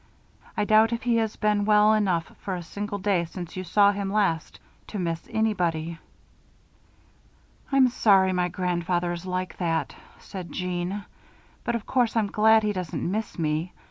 I doubt if he has been well enough, for a single day since you saw him last, to miss anybody.'" "I'm sorry my grandfather is like that," said Jeanne, "but of course I'm glad he doesn't miss me.